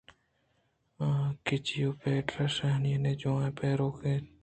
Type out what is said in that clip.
کہ جیوپیٹر شاہینانی جوٛانیں پہرویزک ئے